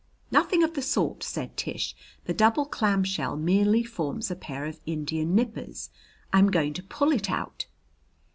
"Nothing of the sort," said Tish. "The double clamshell merely forms a pair of Indian nippers. I'm going to pull it out."